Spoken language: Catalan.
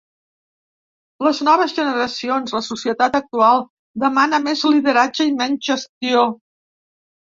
Les noves generacions, la societat actual, demana més lideratge i menys gestió.